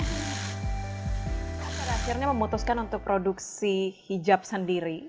akhirnya memutuskan untuk produksi hijab sendiri